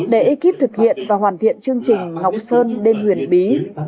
để ekip thực hiện và hoàn thiện chương trình ngọc sơn đêm huyền bí